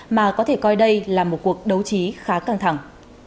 mà có thể coi đây là một cuộc đấu trí khá căng thẳng